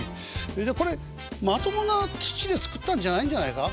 これまともな土で作ったんじゃないんじゃないか？